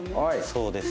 そうです。